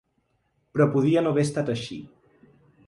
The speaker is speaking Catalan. Però podia no haver estat així.